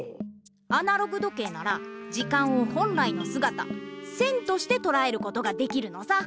アナログ時計なら時間を本来のすがた線としてとらえることができるのさ。